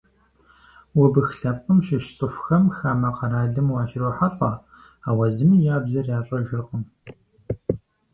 Убых лъэпкъым щыщ цӏыхухэм хамэ къэралхэм уащрохьэлӏэ, ауэ зыми я бзэр ящӏэжыркъым.